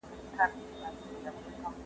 تاسې باید د ماشومانو پوښتنو ته ځواب ورکړئ.